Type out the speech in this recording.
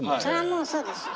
もうそうですよ。